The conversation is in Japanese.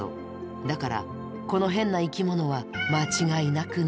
だからこの変な生きものは間違いなくネコ！